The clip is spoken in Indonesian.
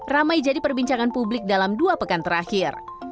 ramai jadi perbincangan publik dalam dua pekan terakhir